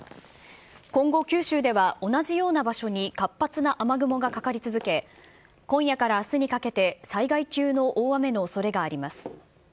今後、九州では同じような場所に活発な雨雲がかかり続け、今夜からあすにかけて災害級の大雨のおそれがあります。